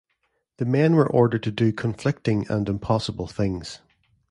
The men were ordered to do conflicting and impossible things.